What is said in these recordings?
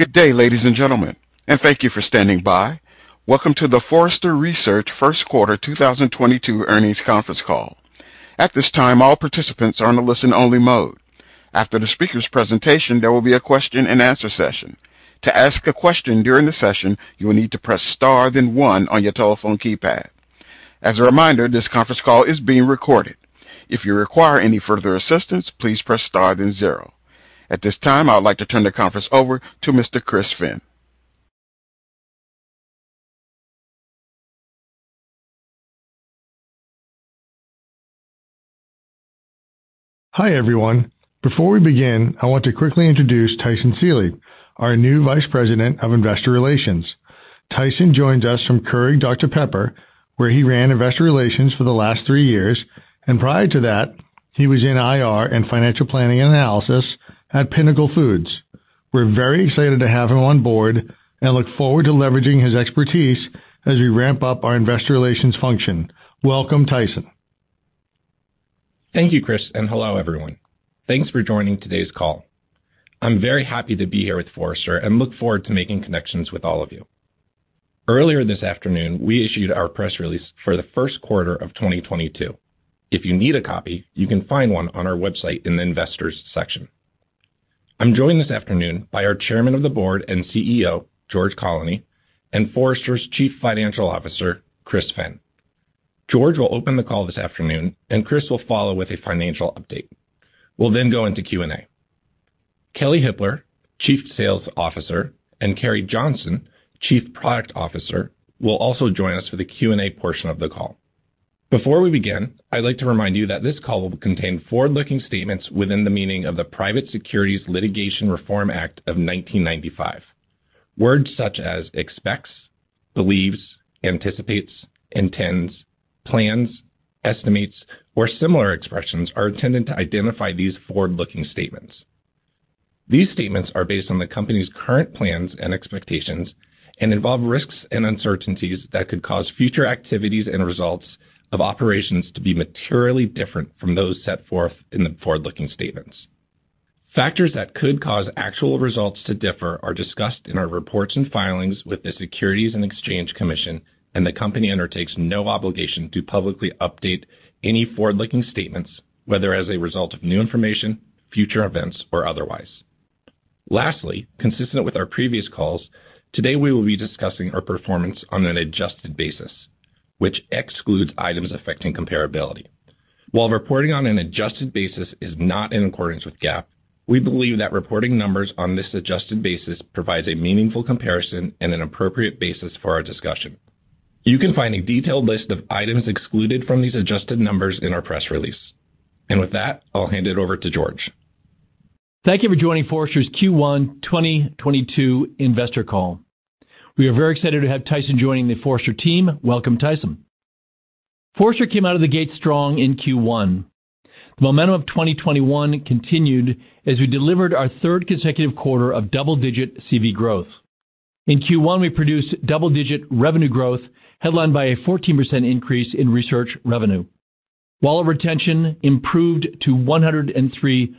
Good day, ladies and gentlemen, and thank you for standing by. Welcome to the Forrester Research First Quarter 2022 Earnings Conference Call. At this time, all participants are in a listen only mode. After the speaker's presentation, there will be a question-and-answer session. To ask a question during the session, you will need to press star, then one on your telephone keypad. As a reminder, this conference call is being recorded. If you require any further assistance, please press star, then zero. At this time, I would like to turn the conference over to Mr. Chris Finn. Hi, everyone. Before we begin, I want to quickly introduce Tyson Seely, our new Vice President of Investor Relations. Tyson joins us from Keurig Dr Pepper, where he ran Investor Relations for the last three years, and prior to that, he was in IR and financial planning analysis at Pinnacle Foods. We're very excited to have him on board and look forward to leveraging his expertise as we ramp up our investor relations function. Welcome, Tyson. Thank you, Chris, and hello, everyone. Thanks for joining today's call. I'm very happy to be here with Forrester and look forward to making connections with all of you. Earlier this afternoon, we issued our press release for the first quarter of 2022. If you need a copy, you can find one on our website in the investors section. I'm joined this afternoon by our Chairman of the Board and CEO, George Colony, and Forrester's Chief Financial Officer, Chris Finn. George will open the call this afternoon, and Chris will follow with a financial update. We'll then go into Q&A. Kelley Hippler, Chief Sales Officer, and Carrie Johnson, Chief Product Officer, will also join us for the Q&A portion of the call. Before we begin, I'd like to remind you that this call will contain forward-looking statements within the meaning of the Private Securities Litigation Reform Act of 1995. Words such as expects, believes, anticipates, intends, plans, estimates, or similar expressions are intended to identify these forward-looking statements. These statements are based on the company's current plans and expectations and involve risks and uncertainties that could cause future activities and results of operations to be materially different from those set forth in the forward-looking statements. Factors that could cause actual results to differ are discussed in our reports and filings with the Securities and Exchange Commission, and the company undertakes no obligation to publicly update any forward-looking statements, whether as a result of new information, future events, or otherwise. Lastly, consistent with our previous calls, today we will be discussing our performance on an adjusted basis, which excludes items affecting comparability. While reporting on an adjusted basis is not in accordance with GAAP, we believe that reporting numbers on this adjusted basis provides a meaningful comparison and an appropriate basis for our discussion. You can find a detailed list of items excluded from these adjusted numbers in our press release. With that, I'll hand it over to George. Thank you for joining Forrester's Q1 2022 Investor Call. We are very excited to have Tyson joining the Forrester team. Welcome, Tyson. Forrester came out of the gate strong in Q1. The momentum of 2021 continued as we delivered our third consecutive quarter of double-digit CV growth. In Q1, we produced double-digit revenue growth, headlined by a 14% increase in research revenue. Wallet retention improved to 103%.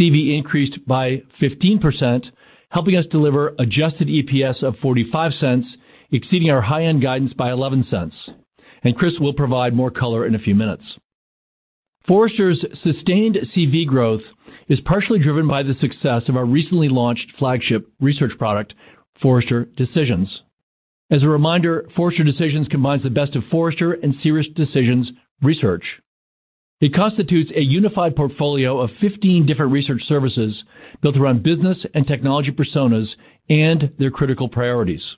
CV increased by 15%, helping us deliver Adjusted EPS of $0.45, exceeding our high-end guidance by $0.11. Chris will provide more color in a few minutes. Forrester's sustained CV growth is partially driven by the success of our recently launched flagship research product, Forrester Decisions. As a reminder, Forrester Decisions combines the best of Forrester and SiriusDecisions research. It constitutes a unified portfolio of 15 different research services built around business and technology personas and their critical priorities.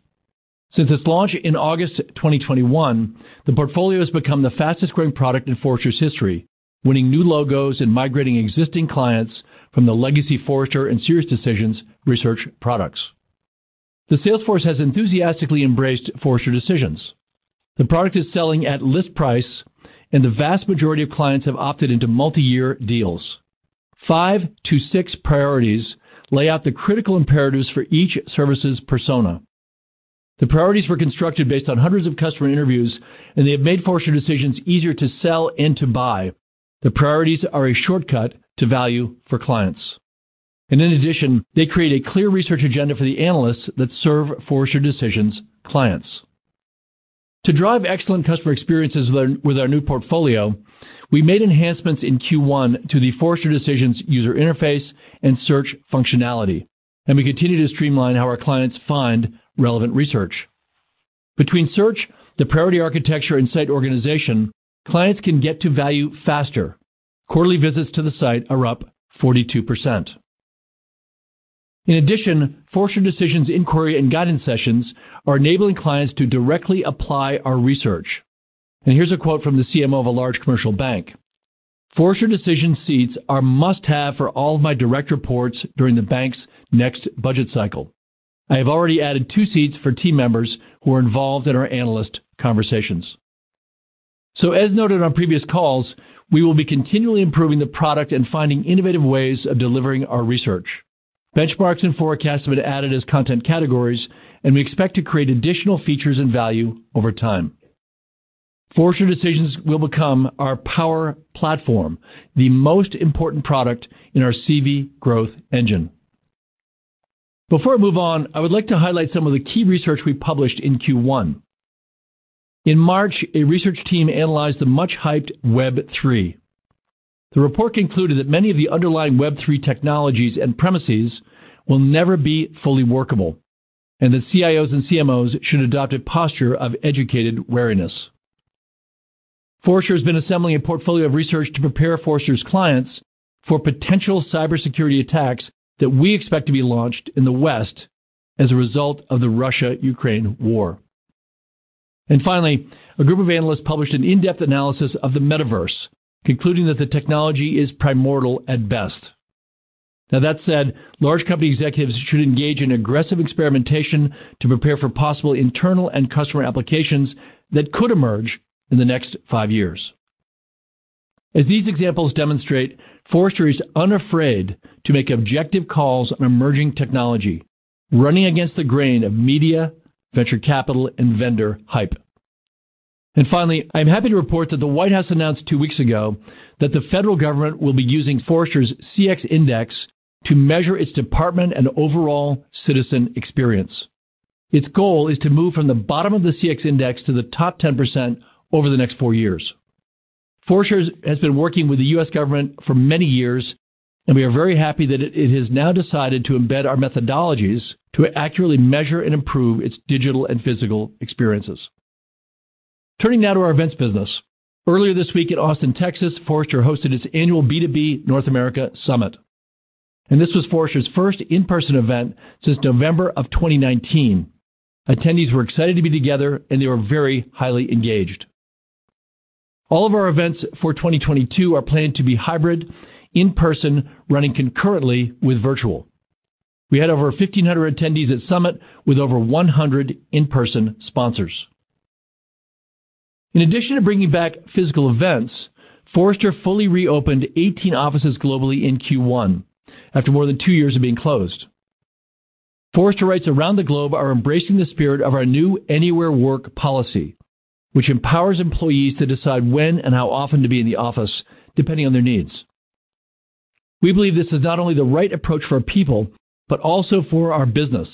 Since its launch in August 2021, the portfolio has become the fastest-growing product in Forrester's history, winning new logos and migrating existing clients from the legacy Forrester and SiriusDecisions research products. The sales force has enthusiastically embraced Forrester Decisions. The product is selling at list price, and the vast majority of clients have opted into multi-year deals. Five to six priorities lay out the critical imperatives for each services persona. The priorities were constructed based on hundreds of customer interviews, and they have made Forrester Decisions easier to sell and to buy. The priorities are a shortcut to value for clients. In addition, they create a clear research agenda for the analysts that serve Forrester Decisions clients. To drive excellent customer experiences with our new portfolio, we made enhancements in Q1 to the Forrester Decisions user interface and search functionality, and we continue to streamline how our clients find relevant research. Between search, the priority architecture, and site organization, clients can get to value faster. Quarterly visits to the site are up 42%. In addition, Forrester Decisions inquiry and guidance sessions are enabling clients to directly apply our research. Here's a quote from the CMO of a large commercial bank. "Forrester Decisions seats are must-have for all of my direct reports during the bank's next budget cycle. I have already added two seats for team members who are involved in our analyst conversations." As noted on previous calls, we will be continually improving the product and finding innovative ways of delivering our research. Benchmarks and forecasts have been added as content categories, and we expect to create additional features and value over time. Forrester Decisions will become our power platform, the most important product in our CV growth engine. Before I move on, I would like to highlight some of the key research we published in Q1. In March, a research team analyzed the much-hyped Web3. The report concluded that many of the underlying Web3 technologies and premises will never be fully workable, and that CIOs and CMOs should adopt a posture of educated wariness. Forrester has been assembling a portfolio of research to prepare Forrester's clients for potential cybersecurity attacks that we expect to be launched in the West as a result of the Russia-Ukraine war. Finally, a group of analysts published an in-depth analysis of the metaverse, concluding that the technology is primordial at best. Now, that said, large company executives should engage in aggressive experimentation to prepare for possible internal and customer applications that could emerge in the next five years. As these examples demonstrate, Forrester is unafraid to make objective calls on emerging technology, running against the grain of media, venture capital, and vendor hype. Finally, I'm happy to report that the White House announced two weeks ago that the federal government will be using Forrester's CX Index to measure its department and overall citizen experience. Its goal is to move from the bottom of the CX Index to the top 10% over the next four years. Forrester has been working with the U.S. government for many years, and we are very happy that it has now decided to embed our methodologies to accurately measure and improve its digital and physical experiences. Turning now to our events business. Earlier this week in Austin, Texas, Forrester hosted its annual B2B North America Summit. This was Forrester's first in-person event since November of 2019. Attendees were excited to be together, and they were very highly engaged. All of our events for 2022 are planned to be hybrid in person, running concurrently with virtual. We had over 1,500 attendees at Summit with over 100 in-person sponsors. In addition to bringing back physical events, Forrester fully reopened 18 offices globally in Q1 after more than two years of being closed. Forresters around the globe are embracing the spirit of our new Anywhere Work policy, which empowers employees to decide when and how often to be in the office, depending on their needs. We believe this is not only the right approach for our people, but also for our business.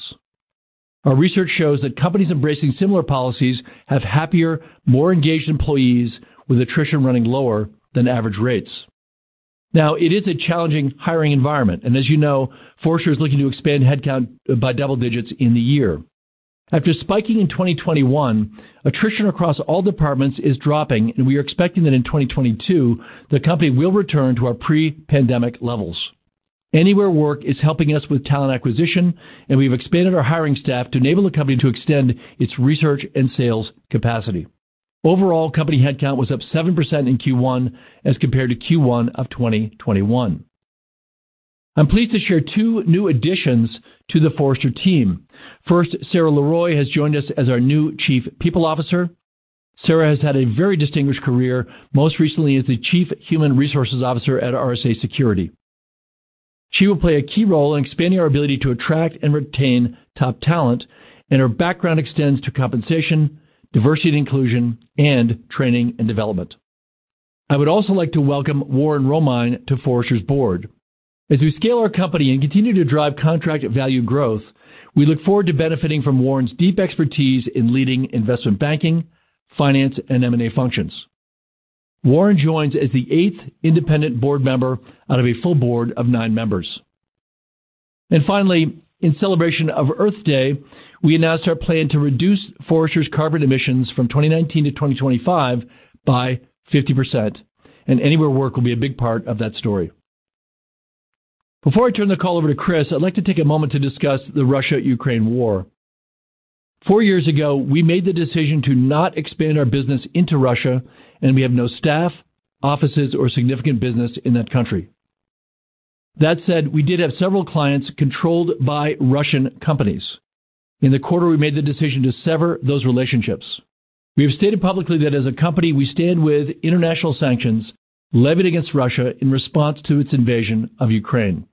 Our research shows that companies embracing similar policies have happier, more engaged employees with attrition running lower than average rates. Now it is a challenging hiring environment, and as you know, Forrester is looking to expand headcount by double digits in the year. After spiking in 2021, attrition across all departments is dropping, and we are expecting that in 2022, the company will return to our pre-pandemic levels. Anywhere Work is helping us with talent acquisition, and we've expanded our hiring staff to enable the company to extend its research and sales capacity. Overall, company headcount was up 7% in Q1 as compared to Q1 of 2021. I'm pleased to share two new additions to the Forrester team. First, Sarah LeRoy has joined us as our new Chief People Officer. Sarah has had a very distinguished career, most recently as the Chief Human Resources Officer at RSA Security. She will play a key role in expanding our ability to attract and retain top talent, and her background extends to compensation, diversity and inclusion, and training and development. I would also like to welcome Warren Romine to Forrester's board. As we scale our company and continue to drive contract value growth, we look forward to benefiting from Warren's deep expertise in leading investment banking, finance, and M&A functions. Warren joins as the eighth independent board member out of a full board of nine members. Finally, in celebration of Earth Day, we announced our plan to reduce Forrester's carbon emissions from 2019 to 2025 by 50%, and Anywhere Work will be a big part of that story. Before I turn the call over to Chris, I'd like to take a moment to discuss the Russia-Ukraine war. Four years ago, we made the decision to not expand our business into Russia, and we have no staff, offices, or significant business in that country. That said, we did have several clients controlled by Russian companies. In the quarter, we made the decision to sever those relationships. We have stated publicly that as a company, we stand with international sanctions levied against Russia in response to its invasion of Ukraine.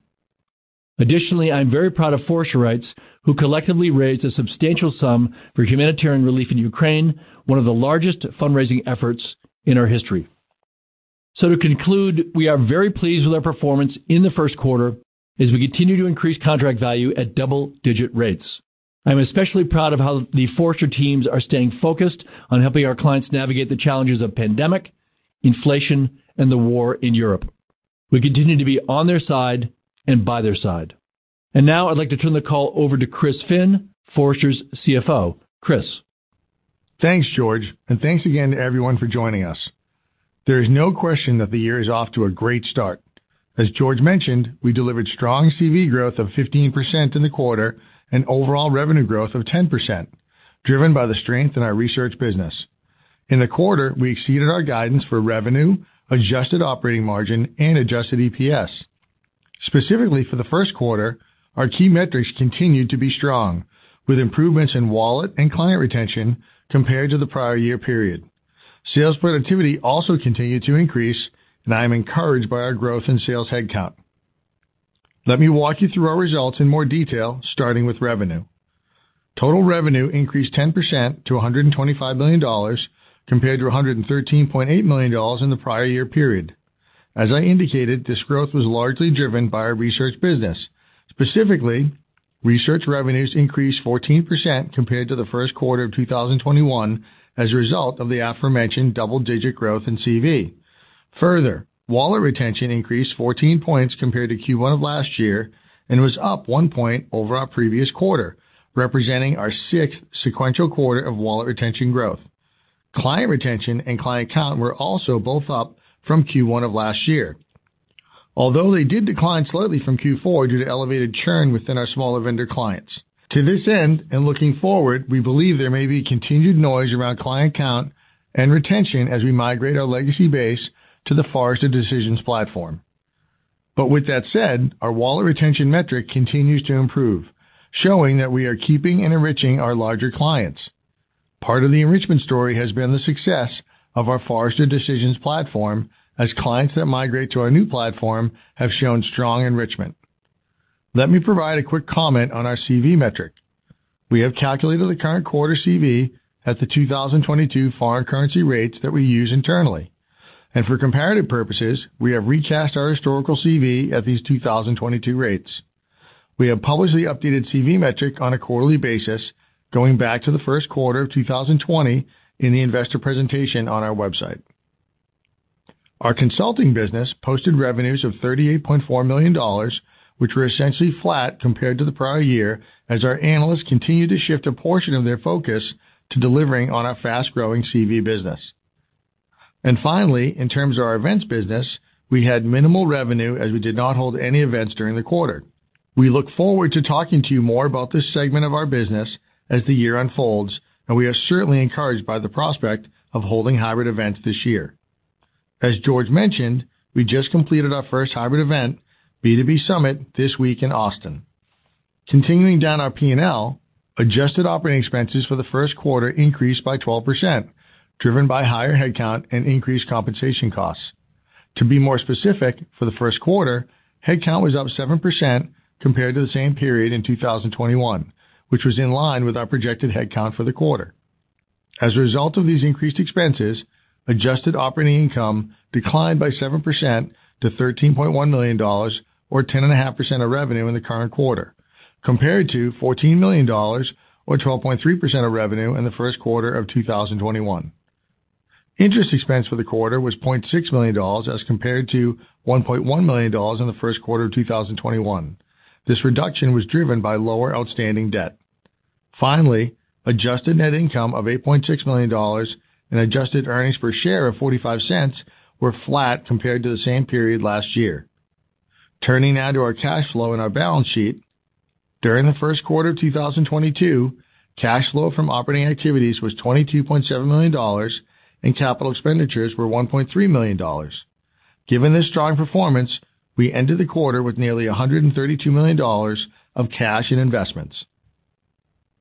Additionally, I'm very proud of Forrester writers who collectively raised a substantial sum for humanitarian relief in Ukraine, one of the largest fundraising efforts in our history. To conclude, we are very pleased with our performance in the first quarter as we continue to increase contract value at double-digit rates. I'm especially proud of how the Forrester teams are staying focused on helping our clients navigate the challenges of pandemic, inflation, and the war in Europe. We continue to be on their side and by their side. Now I'd like to turn the call over to Chris Finn, Forrester's CFO. Chris. Thanks, George, and thanks again to everyone for joining us. There is no question that the year is off to a great start. As George mentioned, we delivered strong CV growth of 15% in the quarter and overall revenue growth of 10%, driven by the strength in our research business. In the quarter, we exceeded our guidance for revenue, adjusted operating margin, and Adjusted EPS. Specifically for the first quarter, our key metrics continued to be strong, with improvements in wallet and client retention compared to the prior year period. Sales productivity also continued to increase, and I am encouraged by our growth in sales headcount. Let me walk you through our results in more detail, starting with revenue. Total revenue increased 10% to $125 million compared to $113.8 million in the prior year period. As I indicated, this growth was largely driven by our research business. Specifically, research revenues increased 14% compared to the first quarter of 2021 as a result of the aforementioned double-digit growth in CV. Further, wallet retention increased 14 points compared to Q1 of last year and was up one point over our previous quarter, representing our sixth sequential quarter of wallet retention growth. Client retention and client count were also both up from Q1 of last year, although they did decline slightly from Q4 due to elevated churn within our smaller vendor clients. To this end, and looking forward, we believe there may be continued noise around client count and retention as we migrate our legacy base to the Forrester Decisions platform. But with that said, our wallet retention metric continues to improve, showing that we are keeping and enriching our larger clients. Part of the enrichment story has been the success of our Forrester Decisions platform, as clients that migrate to our new platform have shown strong enrichment. Let me provide a quick comment on our CV metric. We have calculated the current quarter CV at the 2022 foreign currency rates that we use internally. For comparative purposes, we have recast our historical CV at these 2022 rates. We have published the updated CV metric on a quarterly basis going back to the first quarter of 2020 in the investor presentation on our website. Our consulting business posted revenues of $38.4 million, which were essentially flat compared to the prior year as our analysts continued to shift a portion of their focus to delivering on our fast-growing CV business. Finally, in terms of our events business, we had minimal revenue as we did not hold any events during the quarter. We look forward to talking to you more about this segment of our business as the year unfolds, and we are certainly encouraged by the prospect of holding hybrid events this year. As George mentioned, we just completed our first hybrid event, B2B Summit, this week in Austin. Continuing down our P&L, adjusted operating expenses for the first quarter increased by 12%, driven by higher headcount and increased compensation costs. To be more specific, for the first quarter, headcount was up 7% compared to the same period in 2021, which was in line with our projected headcount for the quarter. As a result of these increased expenses, adjusted operating income declined by 7% to $13.1 million or 10.5% of revenue in the current quarter, compared to $14 million or 12.3% of revenue in the first quarter of 2021. Interest expense for the quarter was $0.6 million as compared to $1.1 million in the first quarter of 2021. This reduction was driven by lower outstanding debt. Finally, adjusted net income of $8.6 million and adjusted earnings per share of $0.45 were flat compared to the same period last year. Turning now to our cash flow and our balance sheet, during the first quarter of 2022, cash flow from operating activities was $22.7 million and capital expenditures were $1.3 million. Given this strong performance, we ended the quarter with nearly $132 million of cash in investments.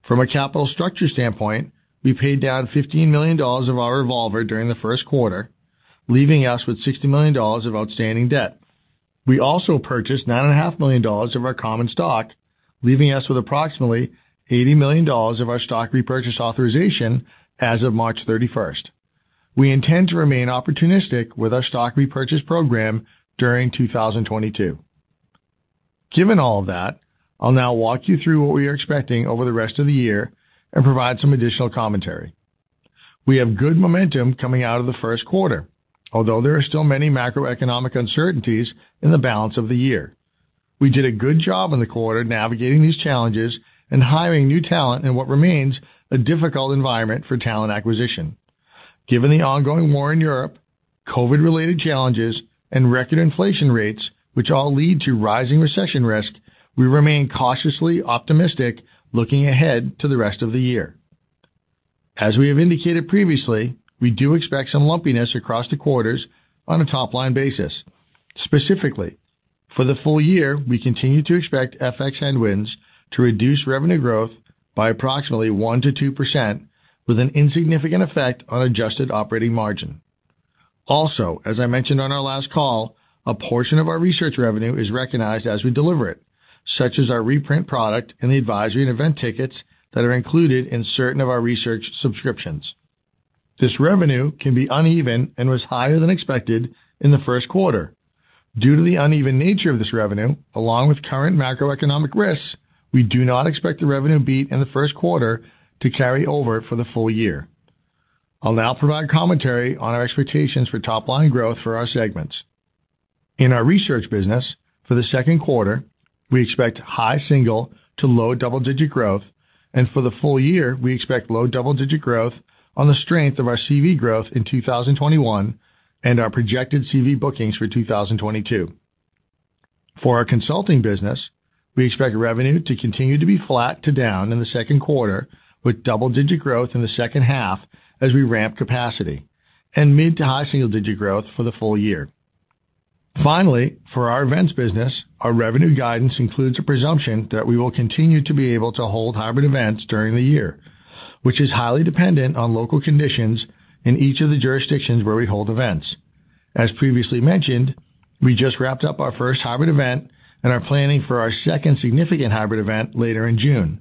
From a capital structure standpoint, we paid down $15 million of our revolver during the first quarter, leaving us with $60 million of outstanding debt. We also purchased $9.5 million of our common stock, leaving us with approximately $80 million of our stock repurchase authorization as of March 31st. We intend to remain opportunistic with our stock repurchase program during 2022. Given all of that, I'll now walk you through what we are expecting over the rest of the year and provide some additional commentary. We have good momentum coming out of the first quarter, although there are still many macroeconomic uncertainties in the balance of the year. We did a good job in the quarter navigating these challenges and hiring new talent in what remains a difficult environment for talent acquisition. Given the ongoing war in Europe, COVID-related challenges, and record inflation rates, which all lead to rising recession risk, we remain cautiously optimistic looking ahead to the rest of the year. As we have indicated previously, we do expect some lumpiness across the quarters on a top-line basis. Specifically, for the full year, we continue to expect FX headwinds to reduce revenue growth by approximately 1%-2% with an insignificant effect on adjusted operating margin. Also, as I mentioned on our last call, a portion of our research revenue is recognized as we deliver it, such as our reprint product and the advisory and event tickets that are included in certain of our research subscriptions. This revenue can be uneven and was higher than expected in the first quarter. Due to the uneven nature of this revenue, along with current macroeconomic risks, we do not expect the revenue beat in the first quarter to carry over for the full year. I'll now provide commentary on our expectations for top-line growth for our segments. In our research business, for the second quarter, we expect high single-digit to low double-digit growth, and for the full year, we expect low double-digit growth on the strength of our CV growth in 2021 and our projected CV bookings for 2022. For our consulting business, we expect revenue to continue to be flat to down in the second quarter, with double-digit growth in the second half as we ramp capacity, and mid to high single-digit growth for the full year. Finally, for our events business, our revenue guidance includes a presumption that we will continue to be able to hold hybrid events during the year, which is highly dependent on local conditions in each of the jurisdictions where we hold events. As previously mentioned, we just wrapped up our first hybrid event and are planning for our second significant hybrid event later in June.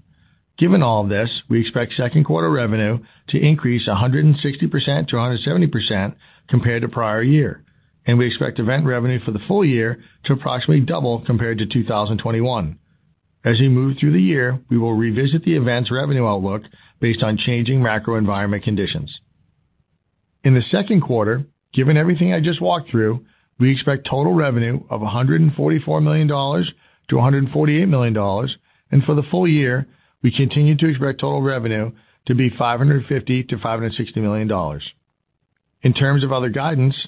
Given all this, we expect second quarter revenue to increase 160%-170% compared to prior year, and we expect event revenue for the full year to approximately double compared to 2021. As we move through the year, we will revisit the events revenue outlook based on changing macro environment conditions. In the second quarter, given everything I just walked through, we expect total revenue of $144 million-$148 million, and for the full year, we continue to expect total revenue to be $550 million-$560 million. In terms of other guidance,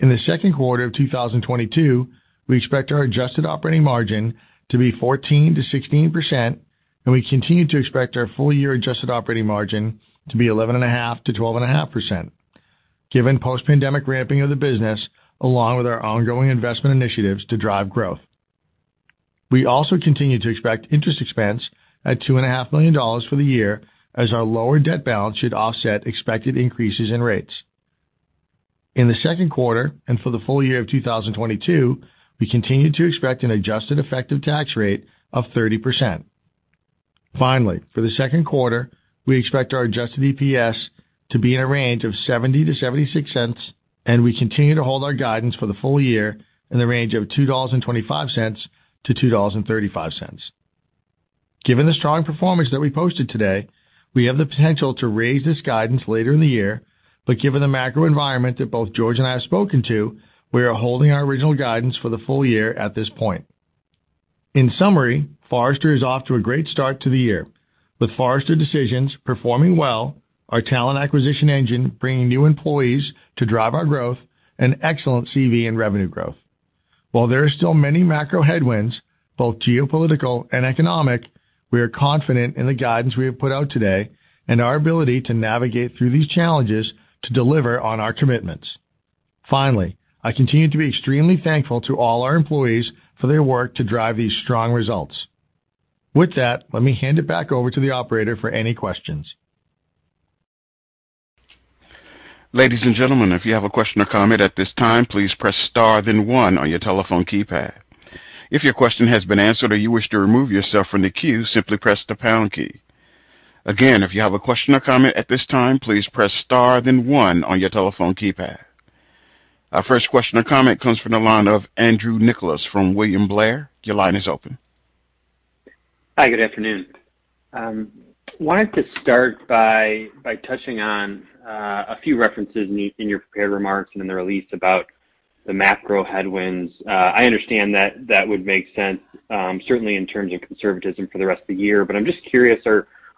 in the second quarter of 2022, we expect our adjusted operating margin to be 14%-16%, and we continue to expect our full year adjusted operating margin to be 11.5%-12.5%, given post-pandemic ramping of the business, along with our ongoing investment initiatives to drive growth. We also continue to expect interest expense at $2.5 million for the year as our lower debt balance should offset expected increases in rates. In the second quarter and for the full year of 2022, we continue to expect an adjusted effective tax rate of 30%. Finally, for the second quarter, we expect our Adjusted EPS to be in a range of $0.70-$0.76, and we continue to hold our guidance for the full year in the range of $2.25-$2.35. Given the strong performance that we posted today, we have the potential to raise this guidance later in the year, but given the macro environment that both George and I have spoken to, we are holding our original guidance for the full year at this point. In summary, Forrester is off to a great start to the year with Forrester Decisions performing well, our talent acquisition engine bringing new employees to drive our growth, and excellent CV and revenue growth. While there are still many macro headwinds, both geopolitical and economic, we are confident in the guidance we have put out today and our ability to navigate through these challenges to deliver on our commitments. Finally, I continue to be extremely thankful to all our employees for their work to drive these strong results. With that, let me hand it back over to the operator for any questions. Ladies and gentlemen, if you have a question or comment at this time, please press star then one on your telephone keypad. If your question has been answered or you wish to remove yourself from the queue, simply press the pound key. Again, if you have a question or comment at this time, please press star then one on your telephone keypad. Our first question or comment comes from the line of Andrew Nicholas from William Blair. Your line is open. Hi. Good afternoon. Wanted to start by touching on a few references needed in your prepared remarks and in the release about the macro headwinds. I understand that would make sense, certainly in terms of conservatism for the rest of the year, but I'm just curious,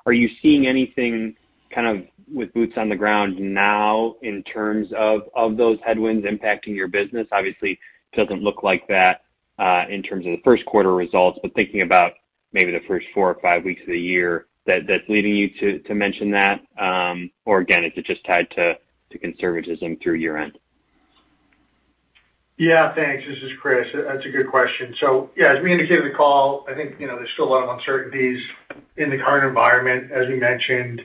are you seeing anything kind of with boots on the ground now in terms of those headwinds impacting your business? Obviously, it doesn't look like that, in terms of the first quarter results, but thinking about maybe the first four or five weeks of the year that's leading you to mention that, or again, is it just tied to conservatism through year-end? Yeah. Thanks. This is Chris. That's a good question. Yeah, as we indicated in the call, I think, you know, there's still a lot of uncertainties in the current environment. As we mentioned,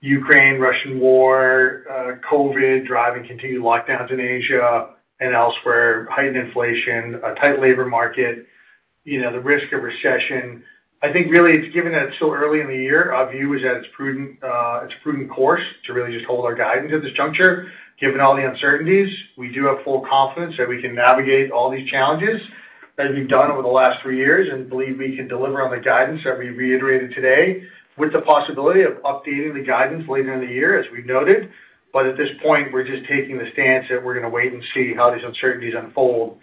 Ukraine-Russian war, COVID driving continued lockdowns in Asia and elsewhere, heightened inflation, a tight labor market, you know, the risk of recession. I think really it's given that it's so early in the year, our view is that it's prudent, it's a prudent course to really just hold our guidance at this juncture, given all the uncertainties. We do have full confidence that we can navigate all these challenges, as we've done over the last three years, and believe we can deliver on the guidance that we reiterated today with the possibility of updating the guidance later in the year, as we noted. At this point, we're just taking the stance that we're gonna wait and see how these uncertainties unfold.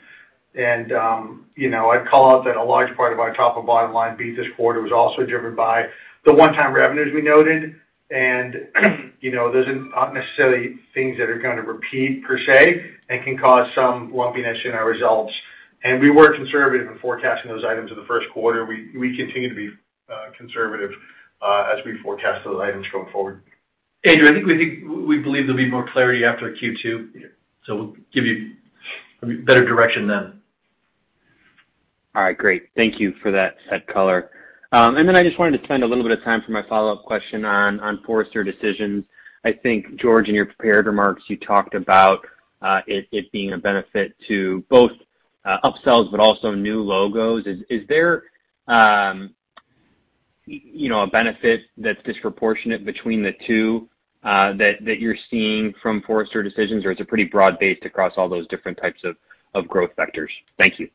You know, I'd call out that a large part of our top and bottom line beat this quarter was also driven by the one-time revenues we noted. You know, those are not necessarily things that are gonna repeat per se and can cause some lumpiness in our results. We were conservative in forecasting those items in the first quarter. We continue to be conservative as we forecast those items going forward. Andrew, I think we believe there'll be more clarity after Q2, so we'll give you better direction then. All right. Great. Thank you for that color. I just wanted to spend a little bit of time for my follow-up question on Forrester Decisions. I think, George, in your prepared remarks, you talked about it being a benefit to both upsells but also new logos. Is there you know, a benefit that's disproportionate between the two that you're seeing from Forrester Decisions, or it's a pretty broad base across all those different types of growth vectors? Thank you.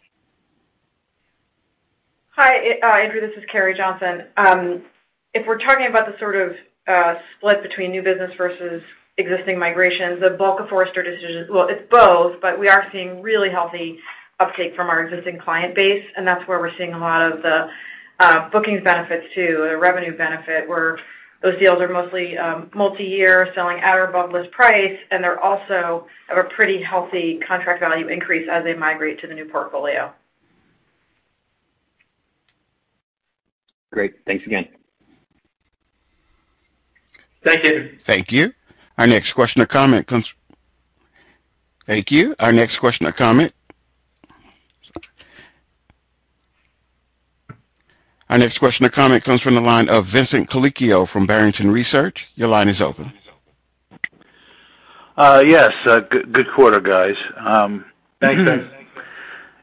Hi, Andrew, this is Carrie Johnson. If we're talking about the sort of split between new business versus existing migrations, the bulk of Forrester Decisions. Well, it's both, but we are seeing really healthy uptake from our existing client base, and that's where we're seeing a lot of the bookings benefits too, the revenue benefit, where those deals are mostly multiyear selling at or above list price, and they're also have a pretty healthy contract value increase as they migrate to the new portfolio. Great. Thanks again. Thank you. Thank you. Our next question or comment comes from the line of Vincent Colicchio from Barrington Research. Your line is open. Good quarter, guys. Thanks, Vince.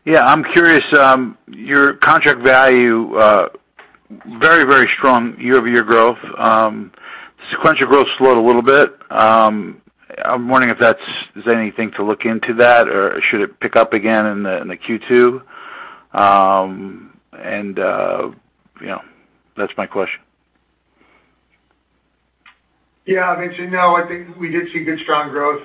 Yeah, I'm curious. Your contract value, very, very strong year-over-year growth. Sequential growth slowed a little bit. I'm wondering if that's. Is there anything to look into that or should it pick up again in the Q2? You know, that's my question. Yeah, Vincent, you know, I think we did see good strong growth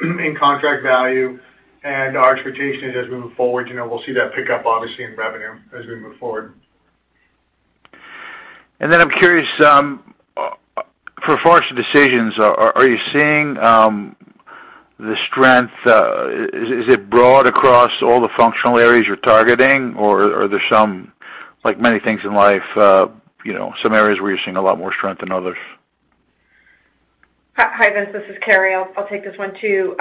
in contract value, and our expectation as we move forward, you know, we'll see that pick up obviously in revenue as we move forward. I'm curious, for Forrester Decisions, are you seeing the strength, is it broad across all the functional areas you're targeting or are there some, like many things in life, you know, some areas where you're seeing a lot more strength than others? Hi. Hi, Vince. This is Carrie. I'll take this one too.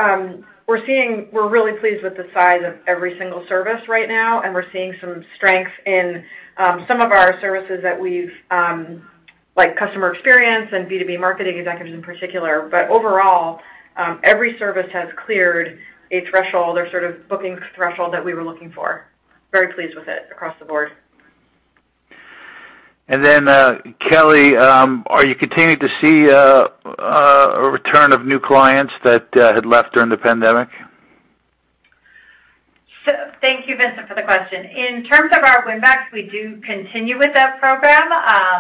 We're really pleased with the size of every single service right now, and we're seeing some strength in some of our services that we've like customer experience and B2B marketing executives in particular. Overall, every service has cleared a threshold or sort of booking threshold that we were looking for. Very pleased with it across the board. Kelley, are you continuing to see a return of new clients that had left during the pandemic? Thank you, Vincent, for the question. In terms of our winbacks, we do continue with that program,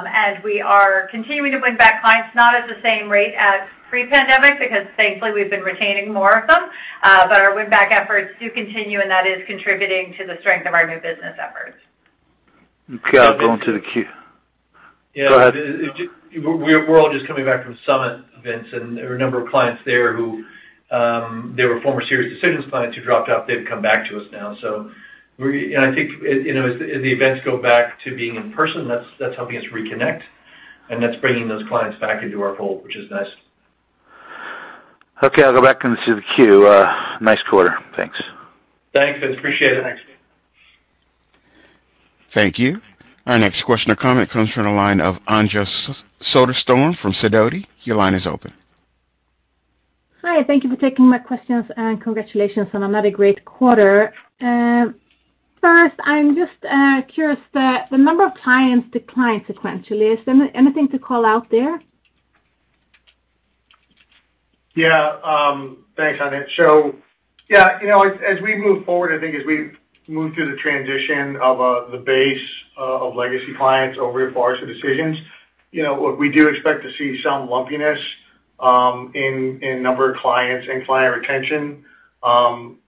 and we are continuing to win back clients, not at the same rate as pre-pandemic because thankfully, we've been retaining more of them. Our winback efforts do continue, and that is contributing to the strength of our new business efforts. Okay. I'll go into the queue. Yeah. Go ahead. We're all just coming back from summit events, and there were a number of clients there who, they were former SiriusDecisions clients who dropped out. They've come back to us now. I think, you know, as the events go back to being in person, that's helping us reconnect, and that's bringing those clients back into our fold, which is nice. Okay, I'll go back into the queue. Nice quarter. Thanks. Thanks, Vince. Appreciate it. Thanks. Thank you. Our next question or comment comes from the line of Anja Soderstrom from Sidoti. Your line is open. Hi. Thank you for taking my questions, and congratulations on another great quarter. First, I'm just curious that the number of clients declined sequentially. Is there anything to call out there? Yeah. Thanks, Anja. Yeah, you know, as we move forward, I think as we move through the transition of the base of legacy clients over at Forrester Decisions, you know, we do expect to see some lumpiness in number of clients and client retention.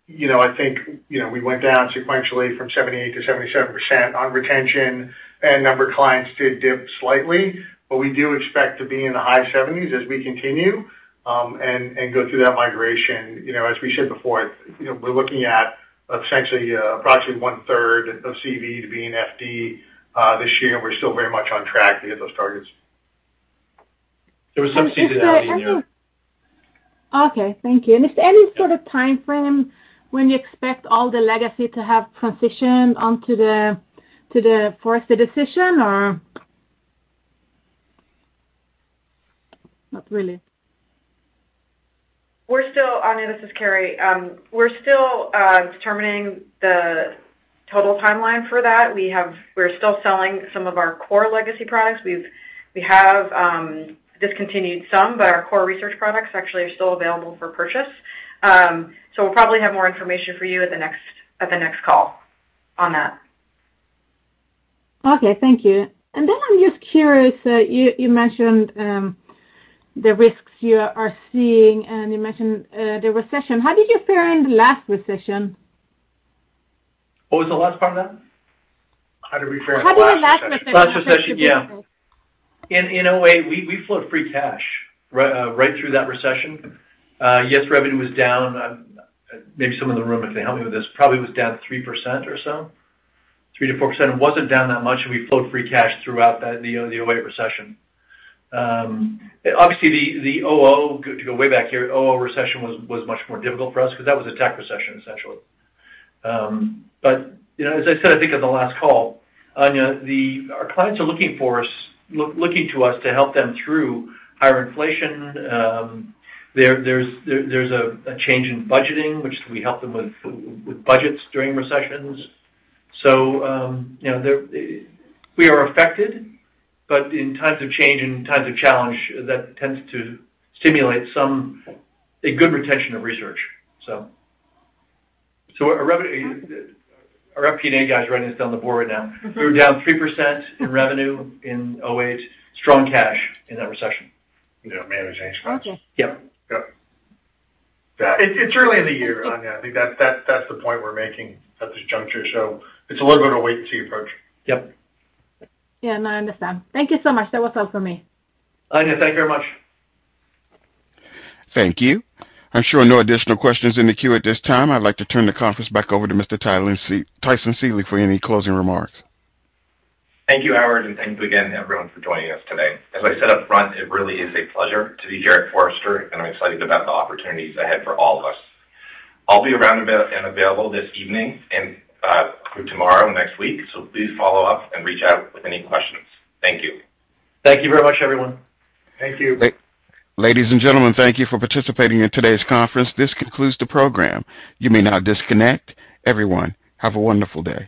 You know, I think, you know, we went down sequentially from 78%-77% on retention, and number of clients did dip slightly. We do expect to be in the high 70s% as we continue, and go through that migration. You know, as we said before, you know, we're looking at essentially approximately one-third of CV to be in FD this year, and we're still very much on track to hit those targets. There was some seasonality in the. Okay, thank you. Is there any sort of timeframe when you expect all the legacy to have transitioned onto the Forrester Decisions? Not really. Anja, this is Carrie. We're still determining the total timeline for that. We're still selling some of our core legacy products. We have discontinued some, but our core research products actually are still available for purchase. We'll probably have more information for you at the next call on that. Okay, thank you. I'm just curious, you mentioned the risks you are seeing, and you mentioned the recession. How did you fare in the last recession? What was the last part of that? How did we fare in the last recession? How did the last recession? Last recession, yeah. In a way, we flowed free cash right through that recession. Yes, revenue was down. Maybe someone in the room, if they help me with this, probably was down 3% or so, 3%-4%. It wasn't down that much, and we flowed free cash throughout the 2008 recession. Obviously, the 2000, to go way back here, 2000 recession was much more difficult for us because that was a tech recession, essentially. You know, as I said, I think on the last call, Anja, our clients are looking to us to help them through higher inflation. There's a change in budgeting, which we help them with budgets during recessions. We are affected, but in times of change and times of challenge, that tends to stimulate a good retention of research. Our FP&A guy is writing this down on the board right now. We were down 3% in revenue in 2008, strong cash in that recession. You know, managing spots. Okay. Yep. Yep. Yeah, it's early in the year, Anja. I think that's the point we're making at this juncture. It's a little bit of a wait and see approach. Yep. Yeah. No, I understand. Thank you so much. That was all for me. Anja, thank you very much. Thank you. I'm sure no additional questions in the queue at this time. I'd like to turn the conference back over to Mr. Tyson Seely for any closing remarks. Thank you, Howard, and thanks again, everyone, for joining us today. As I said up front, it really is a pleasure to be here at Forrester, and I'm excited about the opportunities ahead for all of us. I'll be around a bit and available this evening and through tomorrow and next week, so please follow up and reach out with any questions. Thank you. Thank you very much, everyone. Thank you. Ladies and gentlemen, thank you for participating in today's conference. This concludes the program. You may now disconnect. Everyone, have a wonderful day.